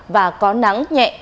và có nắng nhẹ